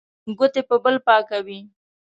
ګوتې په بل پاکوي.